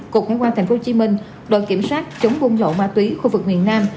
cục hải quan tp hcm đoàn kiểm soát chống buôn lậu ma túy khu vực miền nam